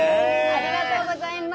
ありがとうございます。